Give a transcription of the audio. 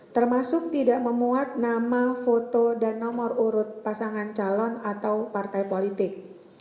termasuk tidak memuat nama foto dan nomor urut pasangan calon atau partai politik